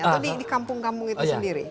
atau di kampung kampung itu sendiri